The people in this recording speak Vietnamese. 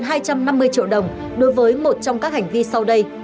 phạt tiền từ ba mươi triệu đồng đối với một trong các hành vi sau đây